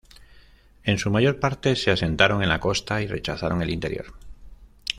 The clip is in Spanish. En su mayor parte, se asentaron en la costa y rechazaron el interior.